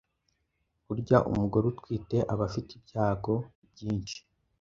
burya umugore utwite aba afite ibyago byinshi